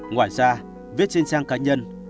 ngoài ra viết trên trang cá nhân